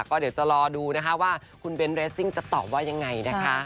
ก็เดี๋ยวจะรอดูนะคะว่าคุณเบ้นเรสซิ่งจะตอบว่ายังไงนะคะ